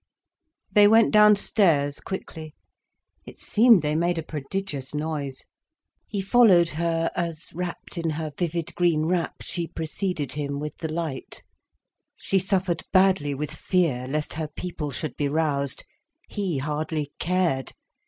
They went downstairs quickly. It seemed they made a prodigious noise. He followed her as, wrapped in her vivid green wrap, she preceded him with the light. She suffered badly with fear, lest her people should be roused. He hardly cared.